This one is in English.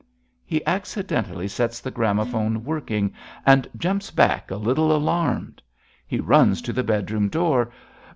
{He accidentally sets the gramophone working and jurnps back, a little alarmed. He runs to the bedroom, door.)